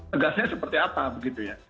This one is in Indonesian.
tegasnya seperti apa begitu ya